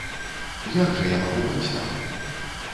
Як жа я магу быць там?